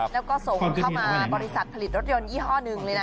แล้วก็ส่งเข้ามาบริษัทผลิตรถยนต์ยี่ห้อหนึ่งเลยนะ